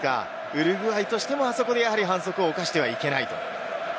ウルグアイとしても、あそこで反則を犯してはいけない。